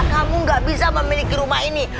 kamu gak bisa memiliki rumah ini